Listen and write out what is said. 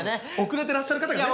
遅れてらっしゃる方がね。